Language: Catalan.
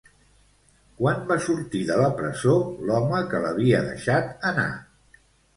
Quan va sortir de la presó l'home que l'havia deixat anar?